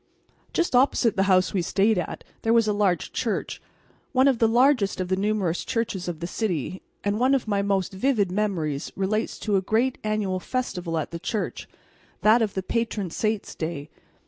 Just opposite the house we stayed at there was a large church, one of the largest of the numerous churches of the city, and one of my most vivid memories relates to a great annual festival at the church that of the patron saint's day.